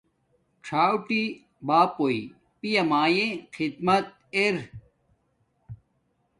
څوٹی باپوݵ پیا مایے خدمت ارا